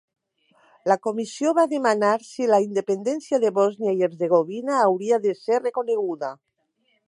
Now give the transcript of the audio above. La Comissió va demanar si la independència de Bòsnia i Hercegovina hauria de ser reconeguda.